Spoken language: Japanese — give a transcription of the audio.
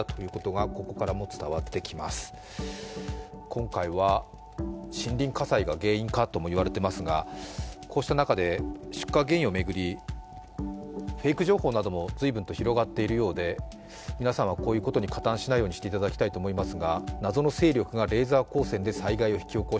今回は森林火災が原因かともいわれていますがこうした中で出火原因を巡りフェイク情報なども随分と広がっているようで皆さんはこういうことに加担しないようにしてほしいと思います。